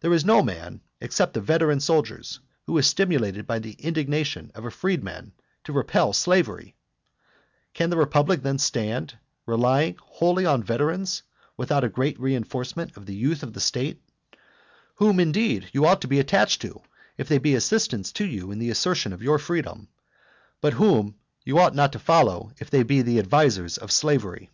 There is no man, except the veteran soldiers, who is stimulated by the indignation of a freeman to repel slavery! Can the republic then stand, relying wholly on veterans, without a great reinforcement of the youth of the state? Whom, indeed, you ought to be attached to, if they be assistants to you in the assertion of your freedom, but whom you ought not to follow if they be the advisers of slavery.